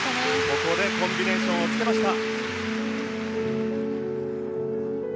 ここでコンビネーションをつけました。